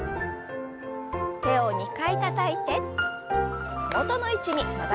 手を２回たたいて元の位置に戻りましょう。